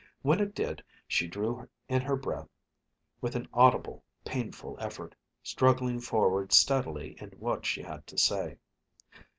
When it did, she drew in her breath with an audible, painful effort, struggling forward steadily in what she had to say.